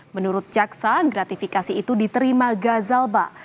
menurut jaksa gratifikasi itu diterima gazal basaleh